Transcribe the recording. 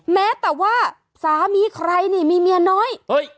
แม้แต่ว่าสามีใครนี่มีเมียน้อย